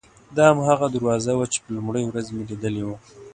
دا هماغه دروازه وه چې په لومړۍ ورځ مې لیدلې وه.